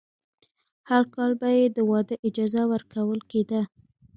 هر کال به یې د واده اجازه ورکول کېده.